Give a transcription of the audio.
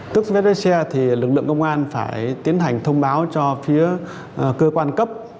tước giấy phép lái xe thì lực lượng công an phải tiến hành thông báo cho phía cơ quan cấp